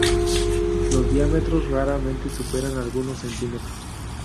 Los diámetros raramente superan algunos centímetros.